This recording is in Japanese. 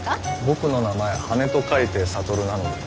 僕の名前「羽」と書いて「さとる」なので。